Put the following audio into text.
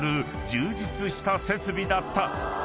［充実した設備だった］